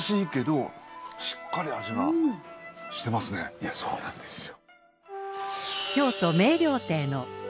いやそうなんですよ。